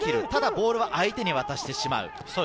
ただボールは相手に渡してしまう。